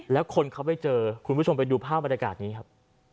แล้วคนเขาไปเจอคุณผู้ชมไปดูภาพบรรยากาศนี้ครับ